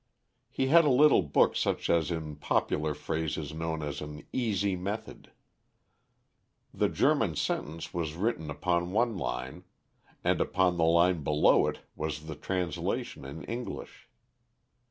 He had a little book such as in popular phrase is known as an "easy method." The German sentence was written upon one line; and upon the line below it was the translation in English.